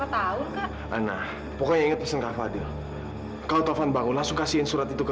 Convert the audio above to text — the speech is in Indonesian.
anak anak pokoknya inget pesen kak fadil kau tovan bangun langsung kasihin surat itu ke